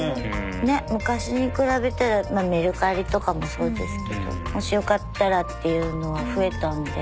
ねっ昔に比べたらメルカリとかもそうですけどもしよかったらっていうのは増えたんで。